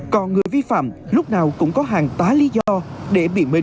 còn người vi phạm lúc nào cũng có hàng tá lý do để bị mênh